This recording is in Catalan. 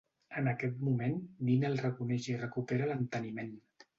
En aquest moment, Nina el reconeix i recupera l'enteniment.